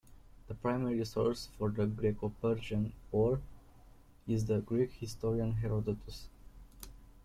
The primary source for the Greco-Persian Wars is the Greek historian Herodotus.